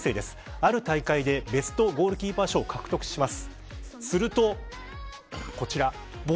ある大会でベストゴールキーパー賞を獲得します。